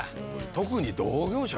特に。